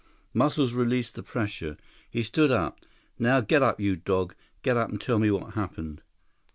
Muscles released the pressure. He stood up. "Now get up, you dog. Get up and tell me what happened."